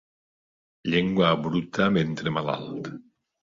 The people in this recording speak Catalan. Llengua bruta, ventre malalt.